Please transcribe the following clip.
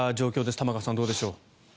玉川さん、どうでしょう。